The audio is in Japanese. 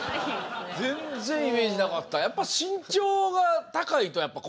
全然イメージなかった。